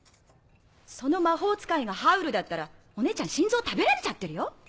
その魔法使いがハウルだったらお姉ちゃん心臓食べられちゃってるよ。